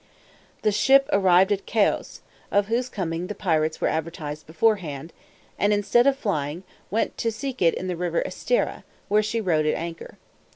This ship arrived at Cayos, of whose coming the pirates were advertised beforehand, and instead of flying, went to seek it in the river Estera, where she rode at anchor.